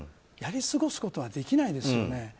やり過ごすことはできないですよね。